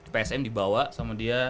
psm di bawah sama dia